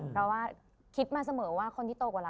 เพราะว่าคิดมาเสมอว่าคนที่โตกว่าเรา